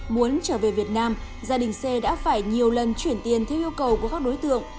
muốn trở về việt nam gia đình c đã phải nhiều lần chuyển tiền theo yêu cầu của các đối tượng